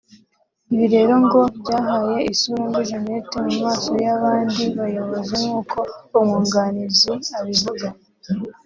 Ibi rero ngo byahaye isura mbi Janet mu maso y’abandi bayobozi nk’uko umwunganizi abivuga